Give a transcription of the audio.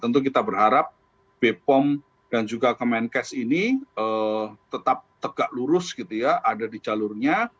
tentu kita berharap bepom dan juga kemenkes ini tetap tegak lurus gitu ya ada di jalurnya